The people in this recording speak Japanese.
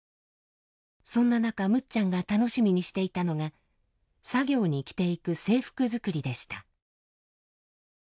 そんな中むっちゃんが楽しみにしていたのが作業に着ていく制服作りでした。